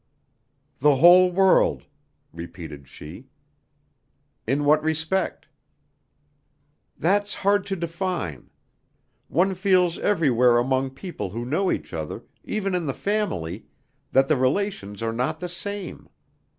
"The whole world," repeated she. "In what respect?" "That's hard to define. One feels everywhere among people who know each other, even in the family, that the relations are not the same.